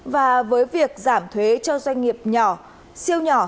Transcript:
và với việc giảm thuế cho doanh nghiệp nhỏ siêu nhỏ